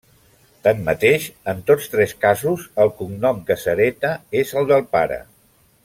Tanmateix, en tots tres casos, el cognom que s'hereta és el del pare.